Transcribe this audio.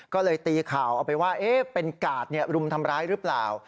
ก็เลยตีข่าวเอาไปว่าเป็นกาดรุมทำร้ายหรือเปล่า